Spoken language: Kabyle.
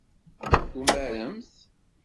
Tumaremt?